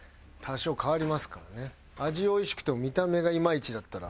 味おいしくても見た目がいまいちだったら。